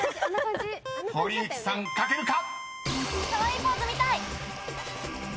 ［堀内さん書けるか⁉］